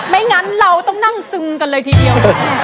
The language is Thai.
งั้นเราต้องนั่งซึมกันเลยทีเดียว